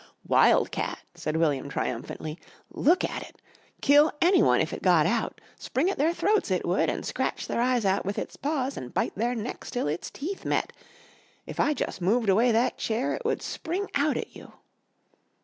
"Wild cat," said William triumphantly. "Look at it! Kill anyone if it got out! Spring at their throats, it would, an' scratch their eyes out with its paws an' bite their necks till its teeth met. If I jus' moved away that chair it would spring out at you."